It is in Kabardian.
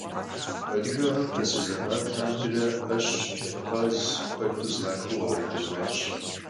Адыгэхэм пасэ зэман лъандэрэ Ӏэщ, джэдкъаз куэду зэрахуэу къэгъуэгурыкӀуащ.